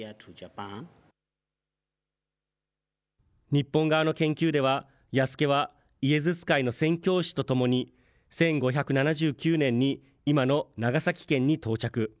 日本側の研究では、弥助はイエズス会の宣教師と共に、１５７９年に今の長崎県に到着。